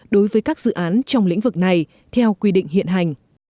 đối với các dự án trong lĩnh vực này theo quy định hiện hành